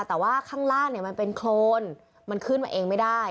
แต่ว่าข้างล่างเนี่ยมันเป็นโครนมันขึ้นมาเองไม่ได้